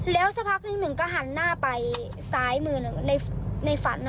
แล้วสักพักหนึ่งก็หันหน้าไปซ้ายมือในฝัน